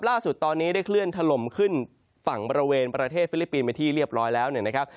ล่าสุดตอนนี้ได้เคลื่อนถล่มขึ้นฝั่งบริเวณประเทศฟิลิปปินส์ไปที่เรียบร้อยแล้วเนี่ยนะครับ